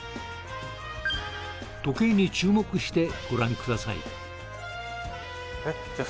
時計に注目してご覧くださいじゃ